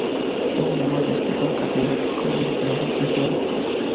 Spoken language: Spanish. Es, además de escritor, catedrático, investigador y traductor.